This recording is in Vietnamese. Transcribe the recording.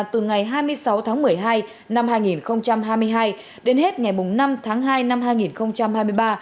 từ ngày hai mươi sáu tháng một mươi hai năm hai nghìn hai mươi hai đến hết ngày năm tháng hai năm hai nghìn hai mươi ba